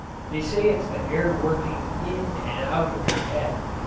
They say it's the air working in and out of your head.